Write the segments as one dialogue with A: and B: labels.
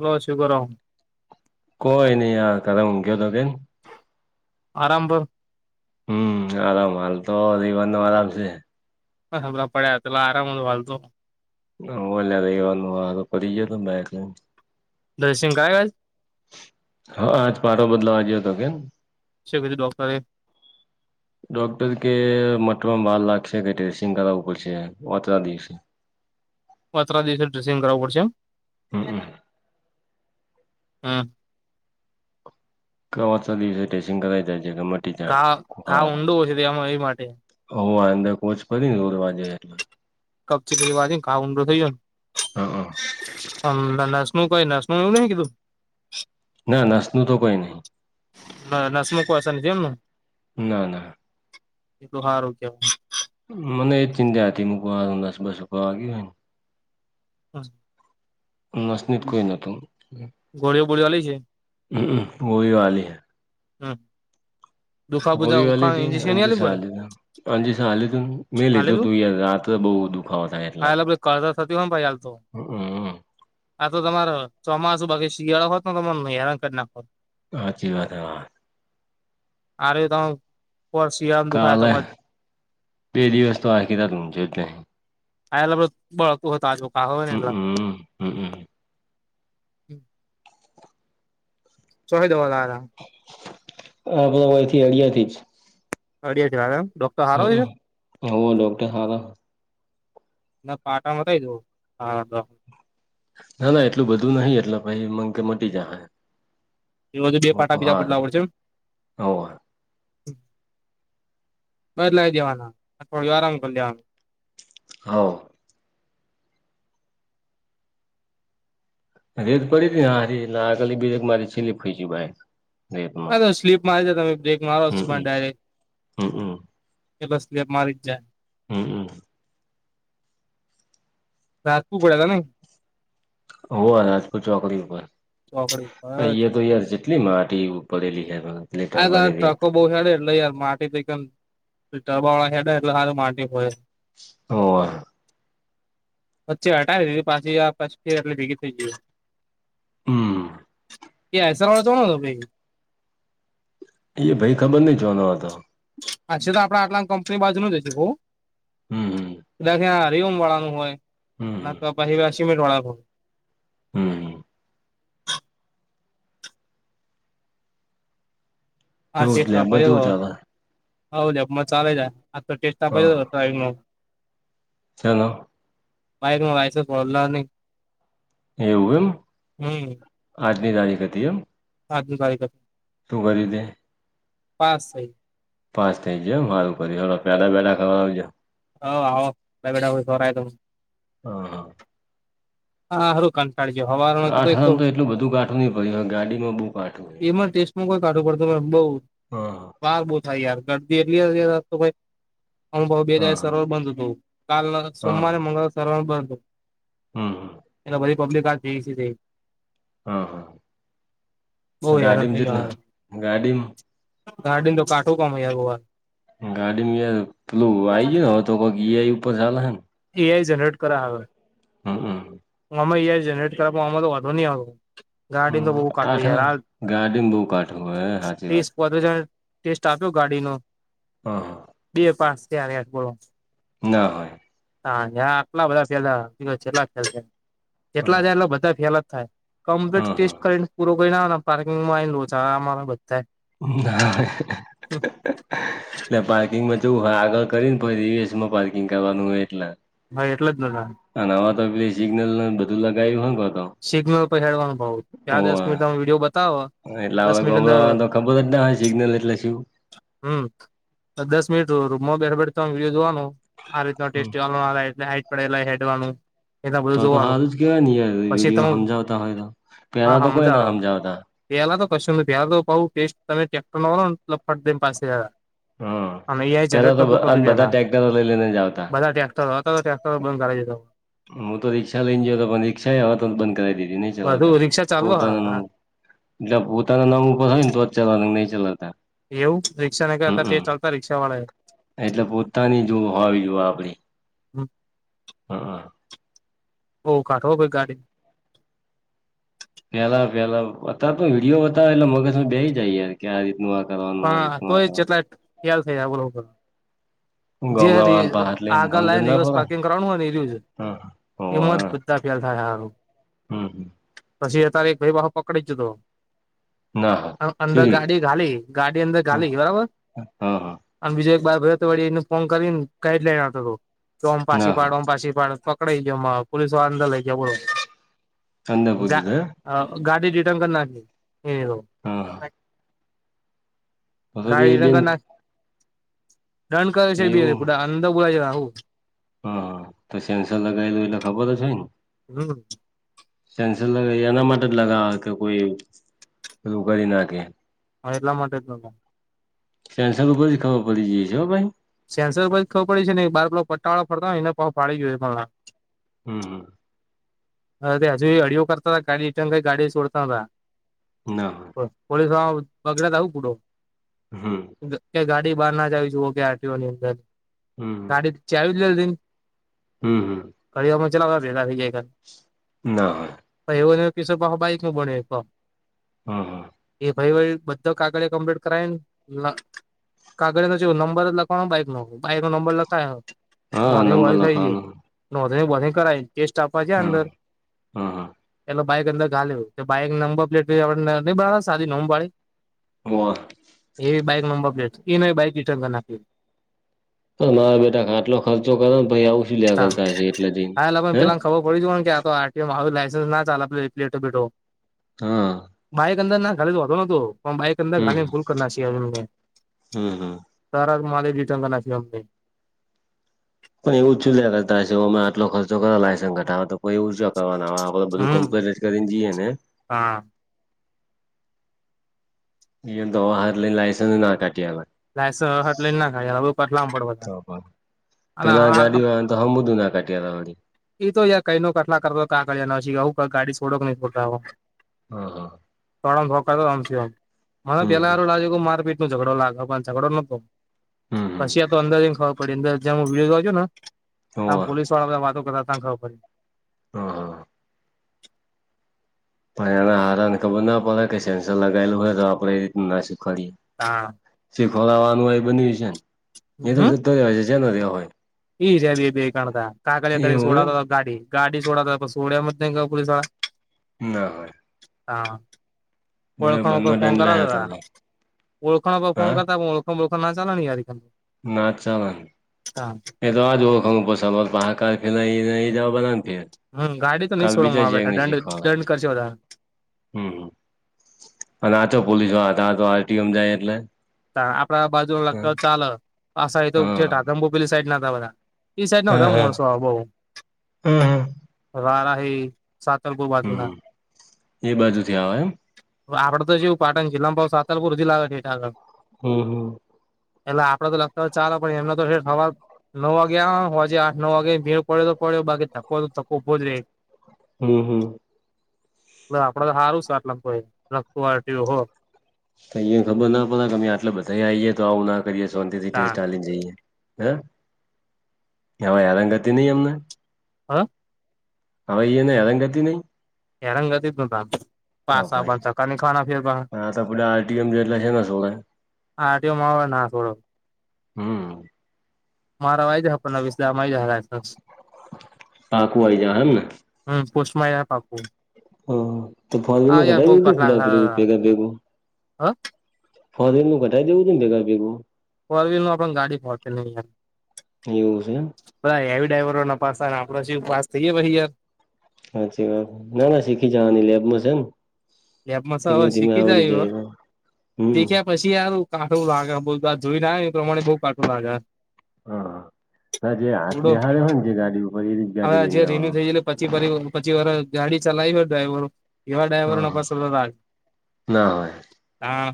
A: બલો શુકર રહમ
B: કોઈ ન ાર કરુંગે દોગન
A: આરામભોર
B: હમ આરામ હાલ તો રવા નો આરામ છે
A: હ હબભ પડ્યા તલા આરામ વાાલતો
B: હુંલ એવાનુંી જ ત બે
A: દર્શિન કાય વાત
B: હા આજ પડો બદલોવાજયો હતો કેમ
A: શ છે ડોક્ટરે એ
B: ડોક્ટર કે મટમાં બાર લાગશે કે ટેસ્ટિંગ કરાવવું પડશે વાચરા દિવસે
A: પાત્ર દિવસે ડ્રેસિંગ કરાવવું પડશે
B: હમમ
A: એમ હમ
B: કવાચ દિવસે ટેસિંગ કરાય છે
A: કા કા ઊંડું હયશે તેમાં એ માટે
B: હ આ અંદર કોચ પ ને દરવા જાય એટલે
A: કપચીની વાને ઘ ઊંડો થઇ જયો ને
B: હઅ
A: હમ નાશનુ કહી નાશનુ નવું નાહી ક તુ
B: ના નસનું તો કોઈ નહી
A: નસમકશે જેમને
B: ના ના
A: એ તો સારું ક
B: મને એજ ચિંતા હતી મકવા દસ બસ રપ વાગયો હોય ને
A: હા
B: નસનીિત કોઈ ન હતું
A: ગોળઓ બોળ લાગ છે
B: બય વાલી
A: હમ દુખા
B: હોળી
A: બુખા ઉખા
B: વાીથી
A: ઇન્જેક્શન નહી
B: હંજી સ
A: આલ્યું કોઈ
B: હાજ સા હા તું મેં લેધું તું યાર રાત્ર બઉુ દુખાો થ એટલા
A: ખાલા પ કળર થતી હોયને ભાઈાલ તો
B: હ હ
A: આ તો તમારો ચોમાસું બાકી શિયાળો હોત ને તમે હેરાણ કરી નાખો
B: હાચી, વાત હા
A: આરે તમ પરસિયા
B: કાલે બે દિવિવસ્ત તો આકીિદત ઘુમચ એ ત્યા
A: આ એલાધ બળતું હોય તાજબું કા હોય ને
B: હમ
A: એલા
B: હમ
A: ચોહી દવાના
B: હ બધયથી અડિયા થી જ
A: અ છે, ડોર
B: હમ હો ડોક્ટર હા
A: ના પાટામાં થઈ દઉ હા
B: ના ના એટલું બધું નહીિ એટલે પછ મગ કે મટી જાય
A: એ બધું બે પાટા બીજા બદલા આવડશે એમ
B: હોવ
A: બદ લઈ જવાના અડ આરામ કરી દેવાનુ
B: હા રેત પડી હતીને હ આગલી બક મારી સીલીઈ ગ ભાઈ
A: હા તો સ્લીપ મારી છે, તમે બ્રેક મારો
B: હમ
A: પણ
B: હમ
A: ડાયરેક
B: હમ
A: એ બસ લ મારી જ જાય
B: હમમ
A: રાજપુર ગળ્યા હતા, નહી.
B: હો, નાજપુ ચોકડી ઉપર
A: ચોકડી પર
B: અ તો યાર છે. એટલી માટી ઉપડેલીખાય
A: આકો બહ છેેડે એટલે યાર માટી તોમ ટબા વાળા ખેડે એટલે સારી માટી હોય
B: ઓર
A: પચ્ચે હટાવ દી પાછીાર પછી એટલે ભેગી થઈ ગાય.
B: હમ
A: એસર વાળા ચોો
B: એય ભાઈ ખબર નહી ચવવા તો
A: અચ્છી તો આપણે આટલામ કંપની બાજુ ન જ છે.
B: હમ
A: દખ હર ઓમ વાળા નું હોય
B: હમ્મ
A: ના તો આ પાહ હવે આસમીને ટળ ભુ
B: હમ્મ
A: આ
B: એવું
A: ટેસ્ટ
B: લેબમાં જેવું
A: આપ્યોપ
B: ચાલે
A: ચાલે જ આ તો ટેસ્ટ
B: હા
A: આપ્ર નો
B: ચાલો
A: માઈમાંગસ ભોલા નહી
B: એવું એમ
A: હમ
B: આજનીી તારીખ હતી, એમ
A: [unintelligible]
B: તું કરી દે
A: પાચ સાહી
B: ફાસ થઈ જ સારું કર પેલાા બેડાા ખ આવજ
A: હ આવો બેઠા સ ત
B: હમ્મ હા
A: હા, હરકા કાર્ય હોવાર
B: આઠરા તો એટું બધું કાઠું નહીં પ્યુંવે ગાડીમાં બઉ કાઠું,
A: હું કોઈ કાઢું પડતું બઉ
B: હા,
A: બાર બહુ થાય યાર ગરદી એટલી અમુભ બે
B: હા
A: જાય
B: હા
A: સવાર બંધ હતું. કાલ સોમવારે મંગળવા સર્વર બંધ હતું
B: હા હા
A: એટલે બધી પબ્લિક આજ ભેગી [unintelligible]
B: હા
A: બહુ
B: હા
A: હેરાન
B: ગાડીમાં [unintelligible] ગાડીમાં
A: ગાર્ડિન તો કાટો કામ [unintelligible] વાર
B: ગાડી મ યાર પેલું આઈ ગયું હો તો એ આઈ ઉપર હાલે હે ને,
A: એ આઈ જનરેટ કર હ આવે
B: હમ્મ [unintelligible]
A: આમા એ આઈ જનરેટ કર અમાં તો વધંધો નહી આવતો. ગાડી ગ
B: હમ
A: તો બહુ કાટું
B: કાઠ હે
A: યાર
B: ગાડીમાં બહુ કાઠ હોય હે હાચી વાત
A: [inaudible] વધો જ ટેસ્ટ આપ્યો ગાડીનો
B: હા હા
A: બે પાસ થયા [unintelligible] બોલો
B: ના હોય
A: હા, આટલા બધા ફેલ થ જેલા ફેલ થાય
B: હહ
A: જેટલા જાય એટલે બધા ફેલ જ થાય. કમ્પ્લીટ
B: હહ
A: ટેસ્ટ કરીને પૂરો કરી ના પાર્કિંગમાં આવી લોસા આ બધા
B: [unintelligible] ના એટલે પાર્કિંગમાં જો હા આગળ કરીને રિવર્સ પાર્કિંગ કરવાનું હોય, એટલે
A: હા એટલે જ [unintelligible]
B: અને હવા તો પે સિગ્નલને બધું લગાવ્યું હોનેતો
A: સિગ્નલ પસેડવાનું ભાવ ત્યાાર દસ મિનિટમાં વિડીયો બતવે
B: એટલે હવે ગમડાવા તો ખબર જ ના હોય સિગ્નલ એટલે શું.
A: હમ્મ દસ મિનિટ ર મોબાઈર પડ તો વિડીયો જોવાનું, આ રીત
B: હમ.
A: ટેસ્ટી વા એટલે હટ પડે હેડવાનું, એના
B: તો
A: બધું
B: તો
A: જોવાનું
B: હાલું જ કેવાય યાર
A: પછી
B: રીડિયો
A: તમે
B: સમજાવતા હોય, તો પેલા તો
A: હા
B: કોઈ ના
A: સમજાવો
B: સમજાવતા.
A: પેલા તો કશું તાર તો ટેસ્ટ તમેક્ટરો ને ફટ પાસ થઇ જાતા.
B: હમ
A: એઆઈ
B: પેલા
A: જનરેટ
B: તો બ
A: નતું ક
B: આ બધા
A: પેલા
B: ટ્રેક્ટરો લઈ લઈને જ આવતા
A: બધાયા તો હવે [unintelligible] બંધ કર દીધું.
B: હું તો રિક્ષા લઈને ગયો હતો પણ રિક્ષા એ હ તો બંધ કરાવી દીધી નહી ચલાવતા
A: બધું રિક્ષા ચાલવો
B: પોતાનું
A: હા
B: એટલે પોતાના નામ ઉપર હોય ને તો જ ચલાવવા નહી, ચલાવતા
A: એવું રિક્ષા નહી ક તે
B: હમમ
A: ચાલતા રિક્ષવાળા એ
B: એટલે પોતાની જો હોવી જોએ, આપડી [unintelligible]
A: ઓ ઘાટો ફે ગાડી
B: ફેલા ફેલા અતા વિડીયો બતાવે એટલે મગજ બેય જાયએ કે આ રીતનું કરવાનું આ
A: પણ
B: રીતનું આ
A: તોય
B: કરવાનું
A: ચટલા ખ્યાલ થઈ આ લોકો
B: [unintelligible]
A: જે
B: ગામડા વાળાને પા હાથ
A: આગળ
B: સમજણ
A: લઈને
B: ના
A: દિવસ
B: પડે
A: પાર્કિંગ કરવાનું હોય, ને એ
B: ને
A: એમાં જ બધા ફેલ થાય.
B: હમ્મ હમ્મ.
A: તછી અતાયારે એક ભાઈ બાપા પકડી જ જ હતો,
B: ના હા
A: અંદર
B: સિરી
A: ગાડી ઘાલી ગાડી અંદર
B: હા
A: ઘાલી બરાબર
B: હા
A: અને બીજો એક ભતો વળ એને ફોન કરીને ગાઈડલાઈન આવતો હતો કે ઓમ
B: ના
A: પાછી
B: હા
A: પાડોમ પાછી પાડ ફક પકડાઈ ગયોમાં પોલીસ વાળ અંદર લઈ ગયા બોલો.
B: ચંદા
A: ગા
B: બુધી હે.
A: ગાડી રિટર્ન કરના જે.
B: હે હા હવે બે
A: ગાળી રિટર્ન
B: બેન
A: કર નાખ. રન કર છે બી
B: એવું
A: કુટ અંધ બોલા છે હું.
B: હા તો સેન્સર લગાવેલું એટલે ખબર જ હોય ને.
A: હમ્મ.
B: સેન્સલ લગાવ એના માટે જ લગાવ કે કોઈ એધું કરી નાખે.
A: હ એટલા માટે નખા.
B: સેન્સંગ ઉપર જ ખબર પડી જાય છે ભાઈ.
A: સેન્સર પર જ ખબર પડી છે ને બાર પલા પટ્ટાળ ફરતા હોય એ પાવ ફાડી ગયો.
B: હમ્મ હ.
A: અ તે હજુ અડિયો કરતા હતા ગાડી ઇટંગ કઈ ગાડી સડતા.
B: ના.
A: પોલીસ માં બગડ દ આવું પૂડો?
B: હમ્મ.
A: કે ગાડી બહાર ના જાવી જઓ કે આટીઓની અંદર ગાડી ચાવી જ લે.
B: હમ્મ હમ્મ.
A: ઘડીવામાં ચેલા ભેગા થઈ જાય તા.
B: ના.
A: એવું ન કિશો પાહે બાઈક નું ભણ્યો હ.
B: હા હા.
A: એ ભાઈ વળ બધો કાગળે કમ્પ્લીટ કરાય ને કાગળ ની જેવો નંબર લખ પણ બાઈક નો બાઈક નો નંબર લખાય
B: હા
A: નંધ
B: નંબર
A: વળી થઈ જઈ.
B: લખવાનો
A: નોંધણી બોધની કરાઈ ટેસ્ટ આપવા જા
B: હા
A: અંદર.
B: હા હા.
A: એટલે બાઈક અંદર ઘાલે દે, તે બાઈક નંબર પ્લેટ [unintelligible] સાદી નેમવાળી.
B: [unintelligible]
A: એવી બાઈક નંબર પ્લેટ એ ન બાઈક રીટન કર નાખી.
B: પણ મારા બેટા આટલો ખર્ચો કરે ને પહિ આવું શું લ્યા કરતા હશે એટલા જઈને હે.
A: કઈ જોવાનું કે આ તો આતિઓ આ લાસન્સ ના ચાલે પ્લેટો બેઠો,
B: હા
A: મા અંદર ના ગાલી તો વાતો નહોતો પણ બાઈક અંદર ગાડીને ભૂલ કર નાખશે [unintelligible]
B: હમ્મ હમ્મ.
A: તારા મારે જ રિટર્ન કરના છે અમને.
B: પણ એવું જ ચૂલ્યા કરતા છે અમે આટલો ખર્ચો કરો લાયસન્સ ઘટાવવા તો એવું કરવાના આપડે બધું
A: હમ
B: કમ્પલે જ કરીને જઈએ ને.
A: હા.
B: બીજા ન તા હાતલે લાયસન્સ ના કાઢી એલા.
A: લાયસન હટલે નાખાય પટલામ પડવો [inaudible]
B: તો પણ પેલા ગાડી વાળ તો હમધું ના કઢ્યા હતાળડી.
A: એ તો યાર કઈ નો કટલા કરતો કાગળિયા ના હું ગાડી છોડો ન છોડતા હો.
B: હા હા.
A: [unintelligible] ફોકાતો આમ થી આમ મને
B: હમ
A: પેલા એારું લાગે કે મારપીટ નો ઝઘડો લાગે પણ ઝઘડો નતો,
B: હમ હમ
A: પછી આ તો અંદર ખબર પડી અંદર જ્યાં હું વિડ છું ને ત
B: હોવે
A: પોલીસ વાળા બધા વાતો કરતા તા ખબર પડી
B: હા પણ એના હારાને ખબર ના પડે કે સેન્સર લગાયેલું હોય તો આપડે એ રીતનું ના શીખડીએ
A: હા.
B: શેવ ખોરાવાનું એ બન્યું છે ને એ તો જતો રહ છે જે ન રહવા હોય.
A: ઈજે બે બે કણતા કાગળ કરી
B: એવું એમ
A: સોડા ગાડી. ગાડી સોડાતા હતા સોળ્યા [unintelligible] પોલીસવડા.
B: ના. હોય
A: હા.
B: બરાબર
A: ઓળખણ પર
B: બંને
A: ફોન
B: દંડ લે
A: કરાતા
B: તો
A: હતા
B: તો
A: ઓળખણ પર
B: હા
A: ફોન કરતા ઓળખ ઓળખાણ ના ચાલે યાર
B: ના જ ચાલે
A: હા
B: એ [unintelligible]
A: હમ ગાડી તો નહી
B: કાલ બીજા
A: છોડવામાં બેઠા
B: જને
A: દંડ
B: શીખવાના
A: દંડ કરશે વધારે
B: હમ અને આચો પોલીસ વાળા આતો આરટીમ જાય એટલે
A: આપણા બાજુને
B: હા
A: લાગતો ચાલ એ તો
B: હા
A: ઉછાદંભોપલી સાઈડ ના હતા બધ એઈ સાઈડ ના
B: હા
A: બધા
B: હા
A: માણસો આવ બઉ
B: હા
A: વારાહી સાતલપુર બાજુના
B: હમ એ બાજુ થી આવે એમ
A: આપડ તો જવું પાટણ છે લમ બઉ સાલપુરથી લાગત આગળ
B: હમ હમ
A: એટલે આપડે તો લગતા હોય ચાલલે પણ એમને તો સવાર નવ વાગે આજે આઠ નવ વાગે ભેડ પડ્યો તો પડ્યો બાકી ધકો તો થકો ઊભો જ રહે
B: હમ હમ
A: આપડે તો સારું [unintelligible]
B: તો અહીયા ખબર ના પડે કે અમે આટલા બધા આઈએ તો આવું ના કરીએ સોંતિથી
A: તાણ
B: ટેસ્ટ આલી ને જઈએ હે હવે હેરાગતી નહિ અમને
A: હા
B: હવે ઈ નને એરાગતી નહી
A: હેરાનગતિ તો ન
B: તો
A: પાસા
B: ભાઈ
A: બાંધતા કને ખાના ફેર
B: આ તો પ આરટીમ જેટલા જણા સોએ
A: આરટીઓ માં હવે ના છોડે
B: હમ
A: મારાવાય જ હા [unintelligible]
B: પાકુ આઈ જા એમને
A: હમ પોસ્ટમાં [unintelligible] આ યાર બઉ કટલા હ
B: [unintelligible] [unintelligible] ભગા ભેગું
A: ફોર વ્હીલ નો પણ ગાડી પહોચે નહી ભ
B: એવું છે એમ
A: એ ડ્રાઈવરો ના પા થાય ને આપડ શું પાસ થઈએ ભછાઈ યાર.
B: સાચી વાત ના ના શીખી જવાની લેબમાં છે એમ.
A: લેબમાં સ હવે
B: ધીમે ધીમે
A: શીખી
B: આવતી જાય હમ.
A: ારું કાટું લાગે બલ જોઈને આવે ને એ પ્રમાણે બઉ કાટું લાગે.
B: હા. જે હાથ
A: થોડો
B: બેહાડ હોય ને જે ગાડી ઉપર એવી જ ગાડી લઈને જવાનું.
A: પછી વા ગાડી ચલાવી હોય ડ્રાઈવરો એવા ડ્રાઈવરને
B: હા
A: પસ
B: ના હોય
A: હા.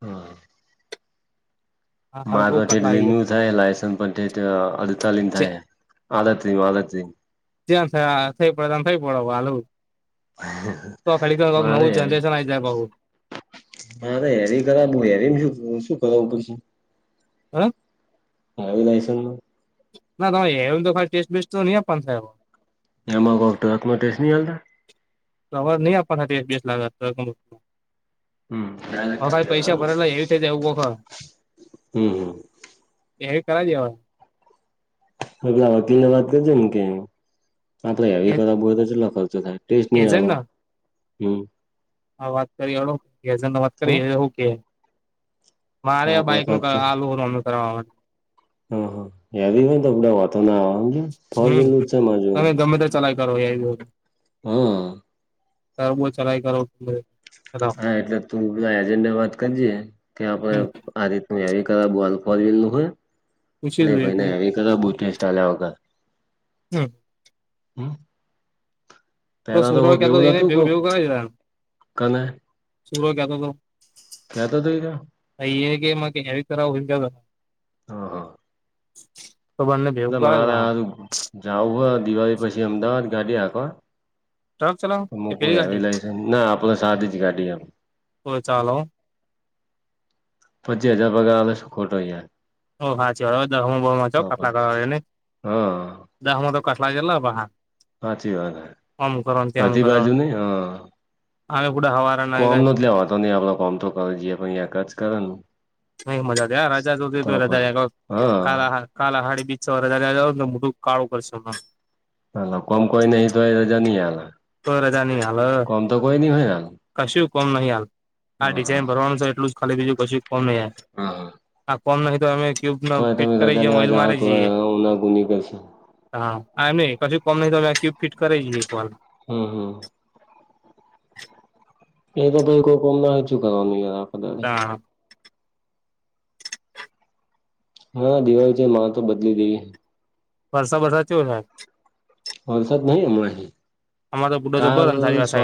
B: હમ.
A: હા બઉ
B: માગટટે
A: કટલા આઈ
B: ન્ય જાય લાયસન પણ અ તાલીન
A: ગયા
B: જાય, આદત ર્રીમ આદત
A: ત થ થ પડ ત થઈ પડ હાલ [unintelligible] તો ખ નવ જનરેેશન આ જાય બાહુ.
B: હારે હેરી કરાવવાનું હોય હેરીને જો શું કરાવું પડશે.
A: [unintelligible]
B: ડ્રાઇવિંગ લાઇસન્સ નો
A: ના તમે એ તો ખલી ટેસ્ટ બેસ્ટ તો ન પણ થાય.
B: એમાં કોતમાં ટેસ નની હાલતા?
A: પર ન આપ બેસ લ [unintelligible]
B: હમ હમ
A: હ સાાઈ પૈસા ભરેલા એવી થ જવું વખર. એવી કર દેવા.
B: પલા વકીલ ને વાત કરજો ને કે, આપડે હેવી કરવું હોય તો જેટલો ખર્ચો થાય. ટેસ્ટની હાલો હમ્મ.
A: આ વાત કરી હળ ગેઝો નો વાત
B: હ
A: કરીએ હું કે. મારે
B: આપ
A: આ બાઈક નું
B: વખત
A: કરાવેલું ઓ હવે એનું કરાવવાનું.
B: હા હા એવી હોય ને તો અમને બતાવવાનું આવજે શું કીધું છે મજૂરી.
A: ચલાયા કરો એવું.
B: હા.
A: તરબો ચલાઈ કરો ખૂબ જ
B: હા એટલે તું પેલા એજન્ડે વાત કરીજે કે આપડ
A: હમ
B: આ રીત ને એવી કર બો અલ્ફોરલ નું હોય ને
A: પૂછી
B: પાઇ ને એવી કર બુ ટેસ્ટ્યા હલ્યા વગર.
A: [unintelligible]
B: હામ.
A: તો સૂરોએ કતો
B: એવું
A: એને
B: નતું
A: ભવું
B: કોક
A: ભેગું કરાઈ લેવાનું
B: કને
A: સુરો કહેતો હતો.
B: કહેતો હતો [unintelligible]
A: પાઇ એ કેમ કે એડિટ કરાવુ હોય [unintelligible]
B: હા હા.
A: તો બંને
B: એટલે
A: ભેગું કરેલું
B: મારે
A: આ
B: જાવું હો દિવાળી પછી અમદાવાદ ગાડી હાંકવા
A: ટ્રક ચલાવો
B: તો મો
A: કે પેલી
B: કોઈ
A: ગાડી
B: હેવી લાયસન્સ એમના આપણે સાધ જ ગાડી આપ
A: હા ચાલો હો.
B: પચીસ હજાર પગાર અમે ખોટવીએ.
A: ઓ હચે આ દાહોમા બુ મજા [unintelligible] ગળવા એને
B: હા
A: દાહોમાં માં [unintelligible] ગેલા પાહ.
B: હાચી વાત બધી
A: કરો
B: બાજુ ની હા. કોમ ન લેવાતો નહી આપડો કોમ તો કરો જઈએ પણ એક જ કરે ને
A: નહી મજા જોયા રાજા હુધી તો રજા
B: પહી
A: એ જો
B: હા
A: કાલ હા કાલ હાડી બીચરે રજા [unintelligible] ને મોટું કાળું કરશે હા.
B: હાલો કોમ કોઈ નહી તો એ રજાની હાલે
A: તો રજા નહી હાલ
B: કોમ તો કોઈ નહી હોય હાલે
A: કશું કોમ નહીં આવે આ ડિઝઇન ભરવાનું છે એટલું જ ખાલી બીજું કશું કોમ નહીં આવે.
B: હા હા
A: આ કોમ નહિ તો અમે ક્યુબ નો
B: તોય
A: ફિટ
B: તમે રજા
A: કરેએ
B: લેવા
A: ઓઇલ
B: જાઓ
A: મારી જઈએ.
B: તોય ઉના ગુની કરશે
A: હા આ નહીં પછી કોમ નઈ તો ક્યુબ ફિટ કરેઈએ કોલ
B: હમ્મ હમ્મ. એ તો પાહિ કો કોમ નો હાચુ કરવાનો કઈ યાર. દાડી
A: [unintelligible]
B: હા દિવાળી છે માં તો બદલી દઈએ.
A: પાછો વરસાદ થું ને.
B: વરસાદ નહીં અમનેહિ.
A: અમારો બુટો જબો [unintelligible] સાઈડ.